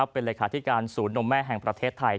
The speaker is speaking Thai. เป็นรายการสูญนมแม่แห่งประเทศไทยครับ